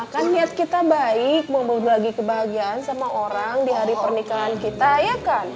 kan niat kita baik membawa berbagi kebahagiaan sama orang di hari pernikahan kita ya kan